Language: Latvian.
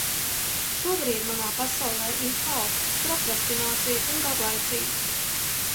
Šobrīd manā pasaulē ir haoss, prokrastinācija un garlaicība.